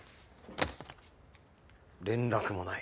連絡もない。